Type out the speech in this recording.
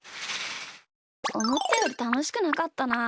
おもったよりたのしくなかったな。